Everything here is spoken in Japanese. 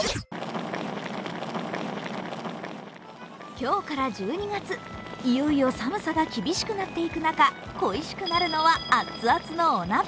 今日から１２月、いよいよ寒さが厳しくなっていく中恋しくなるのは熱々のお鍋。